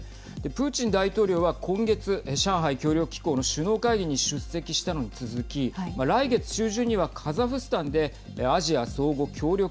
プーチン大統領は今月上海協力機構の首脳会議に出席したのに続き来月中旬には、カザフスタンでアジア相互協力